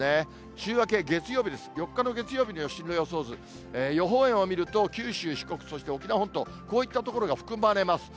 週明け月曜日です、４日の月曜日の進路予想図、予報円を見ると、九州、四国、そして沖縄本島、こういった所が含まれます。